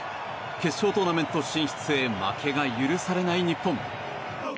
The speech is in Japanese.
決勝トーナメント進出へ負けが許されない日本。